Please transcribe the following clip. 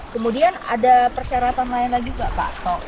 kemudian ada persyaratan lain lagi nggak pak